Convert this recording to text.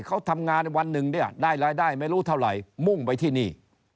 เขาทำงานวันหนึ่งเนี่ยได้รายได้ไม่รู้เท่าไหร่มุ่งไปที่นี่